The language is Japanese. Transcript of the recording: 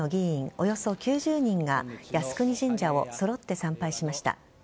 およそ９０人が靖国神社を揃って参拝しました。